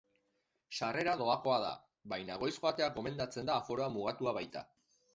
Sarrera doakoa da, baina goiz joatea gomendatzen da aforoa mugatua baita.